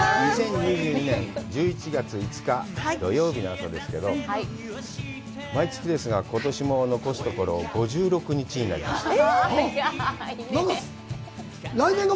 ２０２２年１１月５日、土曜日の朝ですけど、毎月ですが、ことしも残すところ、５６日になりました。